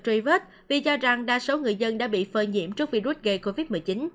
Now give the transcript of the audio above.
truy vết vì cho rằng đa số người dân đã bị phơi nhiễm trước virus gây covid một mươi chín